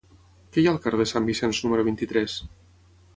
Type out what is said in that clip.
Què hi ha al carrer de Sant Vicenç número vint-i-tres?